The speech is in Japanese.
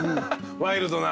ワイルドな。